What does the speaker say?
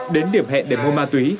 đến điểm hẹn để mua ma túy